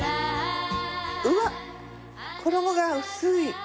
うわっ衣が薄い！